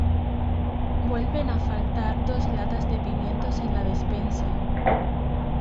vuelven a faltar dos latas de pimientos en la despensa.